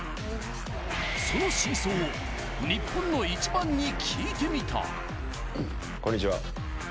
その真相を日本のイチバンに聞いてみた。